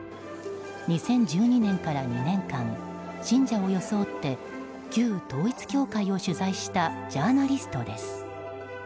２０１２年から２年間信者を装って旧統一教会を取材したジャーナリストです。